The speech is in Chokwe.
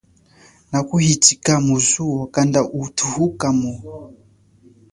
Nakuhichika muzu kanda uthuhu kamo.